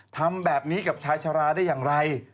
ทำแบบนี้กับชายชะลาได้อย่างไร